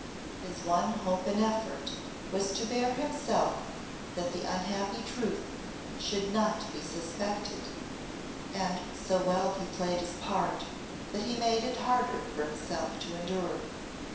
His one hope and effort was so to bear himself that the unhappy truth should not be suspected, and so well he played his part that he made it harder for himself to endure.